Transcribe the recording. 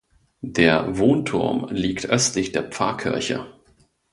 Der Wohnturm liegt östlich der Pfarrkirche.